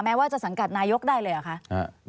ว่าจะสังกัดนายกได้เลยเหรอคะ